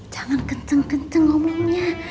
jangan kenceng kenceng ngomongnya